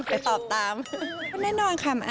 ไปตอบตาม